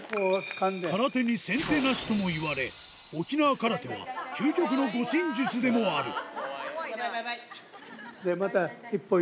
「空手に先手なし」ともいわれ沖縄空手は究極の護身術でもあるでまた１本。